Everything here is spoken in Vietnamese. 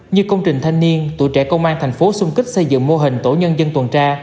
như công trình thanh niên tụi trẻ công an tp hcm xung kích xây dựng mô hình tổ nhân dân tuần tra